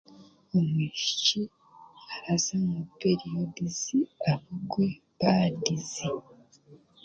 Omwishiki araza mu periyodizi abugwe paadizi